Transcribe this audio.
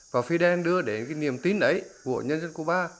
và fidel đưa đến cái niềm tin ấy của nhân dân cuba